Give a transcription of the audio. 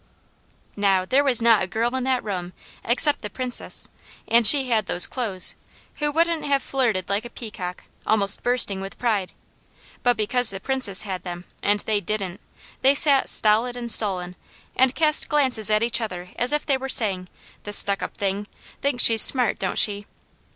Now, there was not a girl in that room, except the Princess, an she had those clothes, who wouldn't have flirted like a peacock, almost bursting with pride; but because the Princess had them, and they didn't, they sat stolid and sullen, and cast glances at each other as if they were saying: "The stuck up thing!" "Thinks she's smart, don't she?"